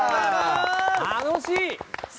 楽しい！